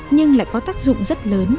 nhưng lại có tác dụng rất lớn